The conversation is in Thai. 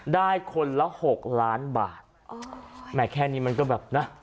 ได้คนละ๖ล้านบาทแม้แค่นี้มันก็แบบนะ